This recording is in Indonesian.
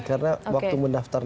karena waktu mendaftarkan